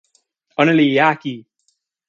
ona li jaki!